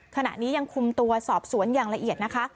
ขณะนี้ยังคุมตัวสอบสวนอย่างละเอียดนะคะ